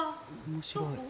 面白い。